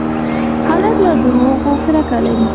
هلک له دروغو کرکه لري.